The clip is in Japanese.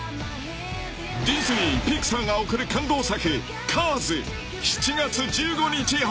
［ディズニーピクサーが送る感動作］